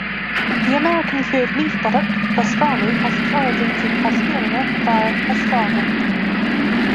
The American cured meat product "pastrami" has its origins in "pastirma" via "pastrama.